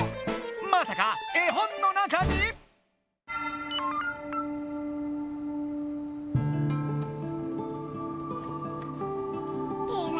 まさか絵本の中に⁉ペラ？